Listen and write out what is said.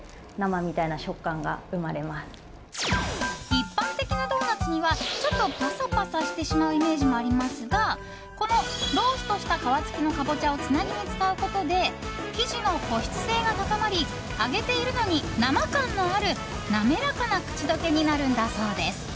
一般的なドーナツにはちょっとパサパサしてしまうイメージもありますがこのローストした皮付きのカボチャをつなぎに使うことで生地の保湿性が高まり揚げているのに生感のある滑らかな口溶けになるんだそうです。